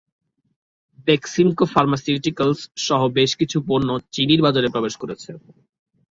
Beximco pharmaceuticals সহ বেশি কিছু পণ্য চিলির বাজারে প্রবেশ করেছে।